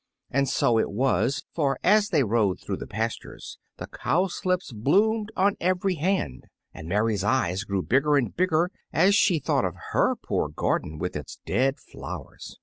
And so it was, for as they rode through the pastures the cowslips bloomed on every hand, and Mary's eyes grew bigger and bigger as she thought of her poor garden with its dead flowers.